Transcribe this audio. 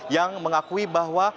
yang mengakui bahwa